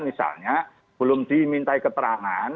misalnya belum dimintai keterangan